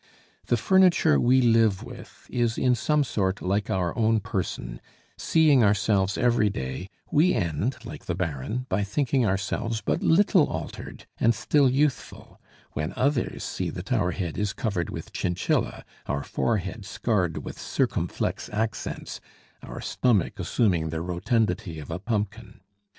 The furniture we live with is in some sort like our own person; seeing ourselves every day, we end, like the Baron, by thinking ourselves but little altered, and still youthful, when others see that our head is covered with chinchilla, our forehead scarred with circumflex accents, our stomach assuming the rotundity of a pumpkin.